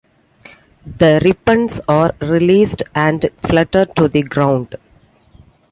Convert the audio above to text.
The ribbons are released and flutter to the ground.